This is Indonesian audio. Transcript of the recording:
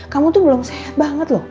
kamu tuh belum sehat banget loh